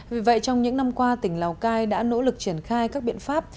vì vậy trong những năm qua tỉnh lào cai đã nỗ lực triển khai các biện pháp